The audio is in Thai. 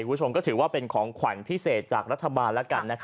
ผู้ชมก็ถือเป็นของขวัญพิเศษจากรัฐบาล